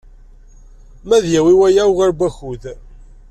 Ma ad yawi waya ugar n wakud?